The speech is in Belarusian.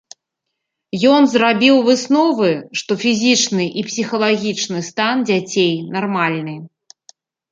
Ён зрабіў высновы, што фізічны і псіхалагічны стан дзяцей нармальны.